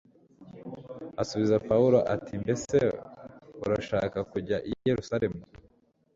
asubiza pawulo ati mbese urashaka kujya i yerusalemu